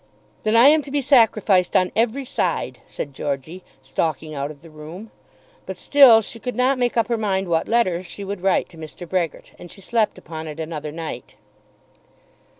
"Then I am to be sacrificed on every side," said Georgey, stalking out of the room. But still she could not make up her mind what letter she would write to Mr. Brehgert, and she slept upon it another night.